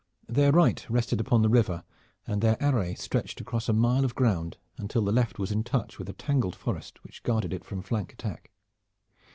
Their right rested upon the river, and their array stretched across a mile of ground until the left was in touch with a tangled forest which guarded it from flank attack.